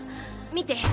見て！